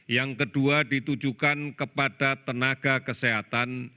yang kedua ditujukan kepada tenaga kesehatan